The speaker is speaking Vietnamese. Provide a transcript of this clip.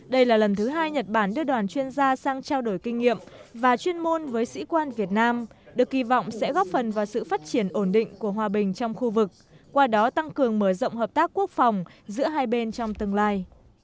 đây là lần thứ hai nhật bản đưa đoàn chuyên gia sang trao đổi kinh nghiệm và chuyên môn với sĩ quan việt nam được kỳ vọng sẽ góp phần vào sự phát triển ổn định của hòa bình trong khu vực qua đó tăng cường mở rộng hợp tác quốc phòng giữa hai bên trong tương lai